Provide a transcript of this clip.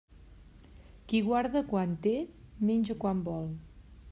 Qui guarda quan té, menja quan vol.